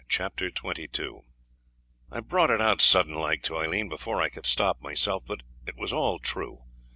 Chapter 22 I brought it out sudden like to Aileen before I could stop myself, but it was all true.